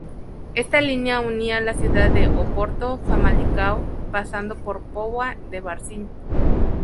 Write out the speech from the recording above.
Esta línea unía la ciudad de Oporto a Famalicão, pasando por Póvoa de Varzim.